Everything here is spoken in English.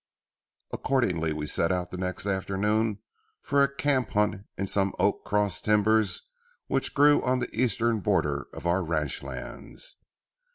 Accordingly we set out the next afternoon for a camp hunt in some oak cross timbers which grew on the eastern border of our ranch lands.